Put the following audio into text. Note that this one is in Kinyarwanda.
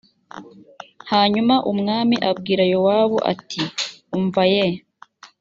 hanyuma umwami abwira yowabu ati umva ye